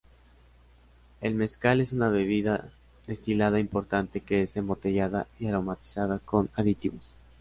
El mezcal es una bebida destilada importante que es embotellada y aromatizada con aditivos.